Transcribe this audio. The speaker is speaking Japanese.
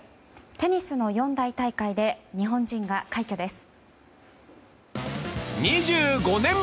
テニスの四大大会で日本人が快挙です。